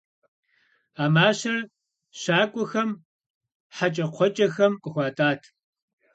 А мащэр щакӀуэхэм хьэкӀэкхъуэкӀэхэм къыхуатӀат.